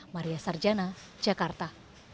maria sarjana jakarta